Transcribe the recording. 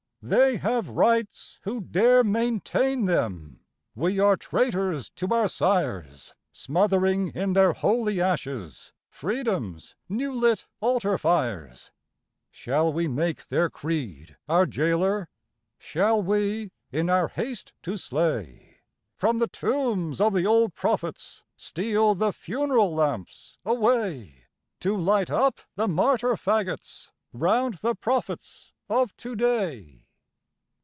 They have rights who dare maintain them; we are traitors to our sires, Smothering in their holy ashes Freedom's new lit altar fires; Shall we make their creed our jailer? Shall we, in our haste to slay, From the tombs of the old prophets steal the funeral lamps away To light up the martyr fagots round the prophets of to day?